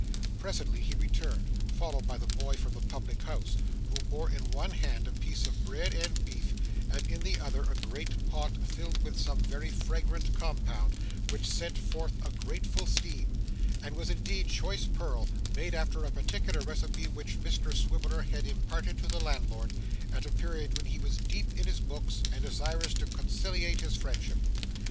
Presently, he returned, followed by the boy from the public house, who bore in one hand a plate of bread and beef, and in the other a great pot, filled with some very fragrant compound, which sent forth a grateful steam, and was indeed choice purl, made after a particular recipe which Mr Swiveller had imparted to the landlord, at a period when he was deep in his books and desirous to conciliate his friendship.